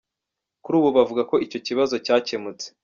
Kuri ubu bavuga ko icyo kibazo cyakemutse.